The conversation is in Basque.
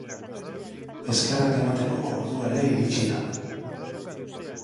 Eskerrak emateko ordua ere iritsi da.